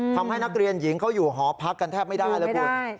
ทำให้นักเรียนหญิงเขาอยู่หอพักกันแทบไม่ได้แล้วคุณ